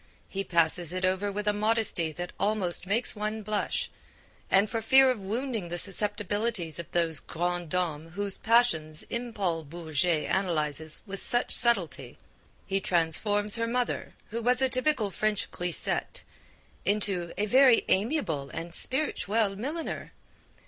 He passes it over with a modesty that almost makes one blush, and for fear of wounding the susceptibilities of those grandes dames whose passions M. Paul Bourget analyses with such subtlety, he transforms her mother, who was a typical French grisette, into 'a very amiable and spirituelle milliner'!